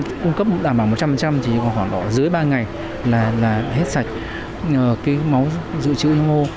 nếu cung cấp đảm bảo một trăm linh thì khoảng rưới ba ngày là hết sạch máu dự trữ như o